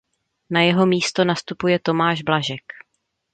Na jeho místo nastupuje Tomáš Blažek.